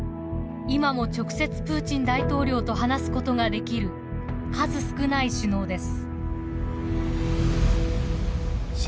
今も直接プーチン大統領と話すことができる数少ない首脳です。